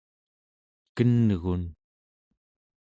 ken'gun¹